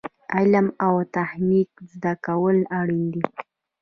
علم او تخنیک زده کول اړین دي